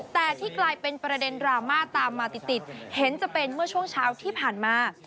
แต่ที่กลายเป็นประเด็นดราม่าตามมาติดเห็นจะเป็นเมื่อช่วงเช้าที่ผ่านมา